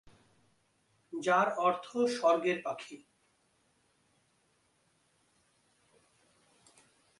যার অর্থ "স্বর্গের পাখি"।